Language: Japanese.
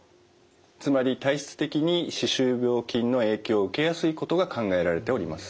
つまり体質的に歯周病菌の影響を受けやすいことが考えられております。